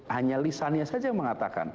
hanya lisannya saja mengatakan